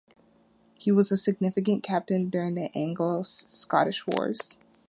He was a significant captain during the Anglo-Scottish wars.